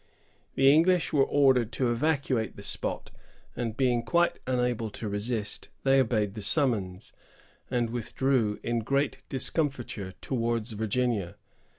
The English were ordered to evacuate the spot; and, being quite unable to resist, they obeyed the summons, and withdrew in great discomfiture towards Virginia.